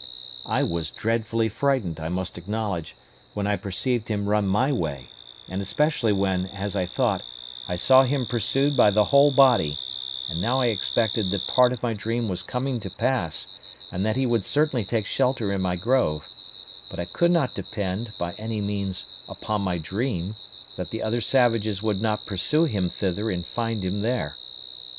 I was dreadfully frightened, I must acknowledge, when I perceived him run my way; and especially when, as I thought, I saw him pursued by the whole body: and now I expected that part of my dream was coming to pass, and that he would certainly take shelter in my grove; but I could not depend, by any means, upon my dream, that the other savages would not pursue him thither and find him there.